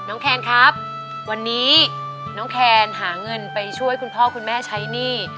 แคนครับวันนี้น้องแคนหาเงินไปช่วยคุณพ่อคุณแม่ใช้หนี้